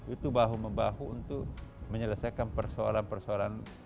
itu bahu membahu untuk menyelesaikan persoalan persoalan